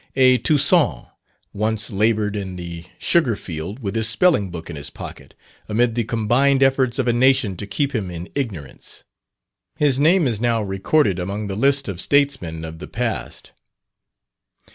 A Toussaint, once laboured in the sugar field with his spelling book in his pocket, amid the combined efforts of a nation to keep him in ignorance. His name is now recorded among the list of statesmen of the past.